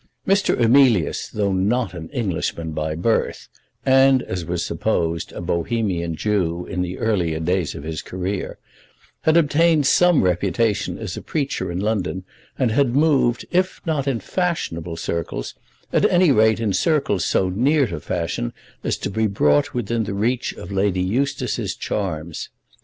Mr. Emilius, though not an Englishman by birth, and, as was supposed, a Bohemian Jew in the earlier days of his career, had obtained some reputation as a preacher in London, and had moved, if not in fashionable circles, at any rate in circles so near to fashion as to be brought within the reach of Lady Eustace's charms.